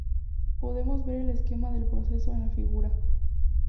Podemos ver el esquema del proceso en la figura.